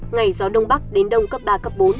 ngày gió đông bắc đến đông cấp ba cấp bốn